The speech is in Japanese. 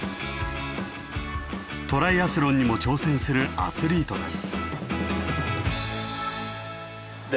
トライアスロンにも挑戦するアスリートです。